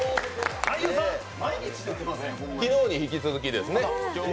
昨日に引き続きですね。